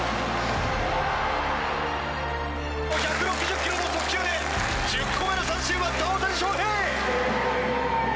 １６０キロの速球で１０個目の三振を奪った大谷翔平！